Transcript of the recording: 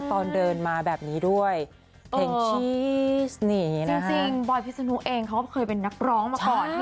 ตอนเดินมาแบบนี้ด้วยเพลงชีสนี่นะจริงบอยพิษนุเองเขาเคยเป็นนักร้องมาก่อน